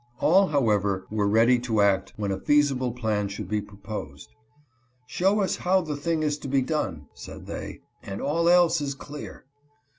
All, however, were ready to act when a feasible plan should be proposed. " Show us how the thing is to be done," said they, " and all else is clear.'